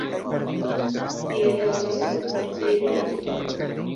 Tio daŭris du, tri minutojn.